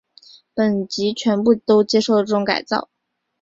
本级全部都接受了这种改造。